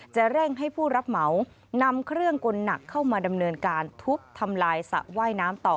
จะเร่งให้ผู้รับเหมานำเครื่องกลหนักเข้ามาดำเนินการทุบทำลายสระว่ายน้ำต่อ